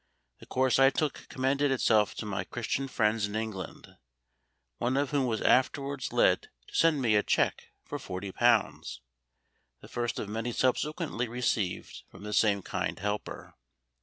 The course I took commended itself to my Christian friends in England, one of whom was afterwards led to send me a cheque for £40 the first of many subsequently received from the same kind helper.